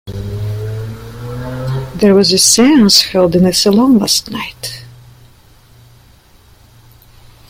There was a seance held in the salon last night.